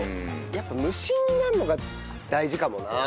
やっぱ無心になるのが大事かもな。